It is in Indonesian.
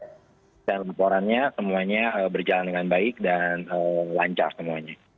jadi peralatan acaranya semuanya berjalan dengan baik dan lancar semuanya